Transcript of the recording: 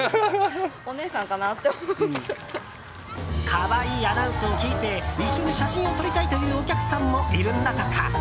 可愛いアナウンスを聞いて一緒に写真を撮りたいというお客さんもいるんだとか。